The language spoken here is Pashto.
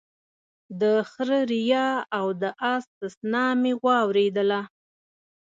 د خره ريا او د اس سسنا مې واورېدله